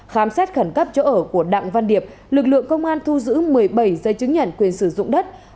khám sát khẩn cấp chỗ ở của đặng vân điệp lực lượng công an thu giữ một mươi bảy dây chứng nhận quyền sử dụng đất